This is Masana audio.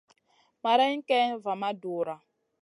Marayna kayn va ma dura.